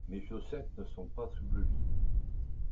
mes chaussettes ne sont pas sous le lit.